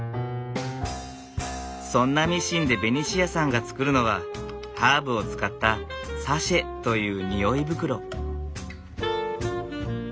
そんなミシンでベニシアさんが作るのはハーブを使ったサシェという匂い袋。